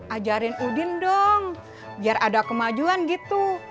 ajarin udin dong biar ada kemajuan gitu